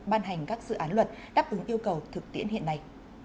ban hành các dự án luật đáp ứng yêu cầu thực tiễn hiện nay